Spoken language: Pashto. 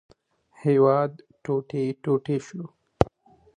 هېواد ټوټې ټوټې شو.